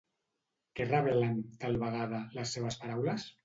Què revelen, tal vegada, les seves paraules?